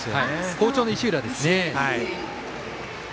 好調の石浦ですね。